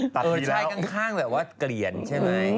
สาวสู้ชายค่อนข้างแบบว่ากรีย์เหรอ